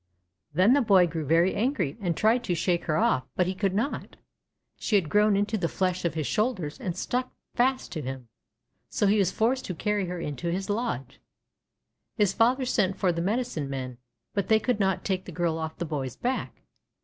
'1 Then the boy grew very angry, and tried to shake her off, but he could not. She had grown into the flesh of his shoulders, and stuck fast to him. So he was forced to carry her into his lodge. His father sent for the Medicine Men, but they could not take the girl off the boy's back.